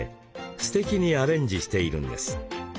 すてきにアレンジしているんです。